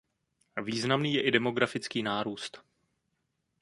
Významný je i demografický nárůst.